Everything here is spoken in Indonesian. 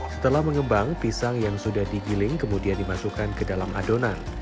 setelah mengembang pisang yang sudah digiling kemudian dimasukkan ke dalam adonan